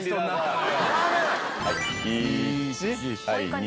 １２。